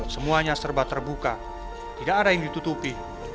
semuanya serba terbuka tidak ada yang ditutupi